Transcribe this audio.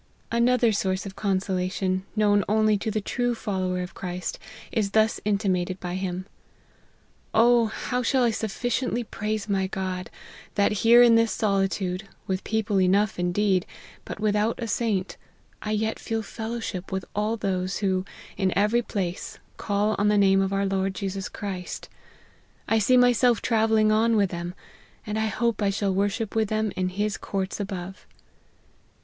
Another source of consolation, known only to the true follower of Christ, is thus intimated by him :" O how shall I sufficiently praise my God, that here in this solitude, with people enough, indeed, but with out a saint, I yet feel fellowship with all those who, in eyeiy place, call on the name of our Lord Jesus Christ. I see myself travelling on with them, and I hope I shall worship with them in His courts above